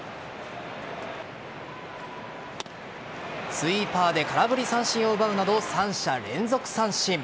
スイーパーで空振り三振を奪うなど３者連続三振。